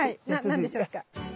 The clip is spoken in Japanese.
何でしょうか？